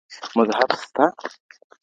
مذهب سته.